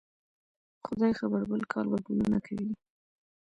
خدای خبر؟ بل کال به ګلونه کوي